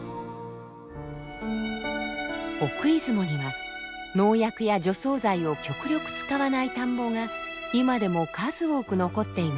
奥出雲には農薬や除草剤を極力使わない田んぼが今でも数多く残っています。